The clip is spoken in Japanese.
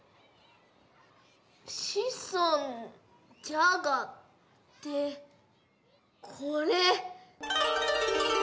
「子孫」「じゃが」ってこれ。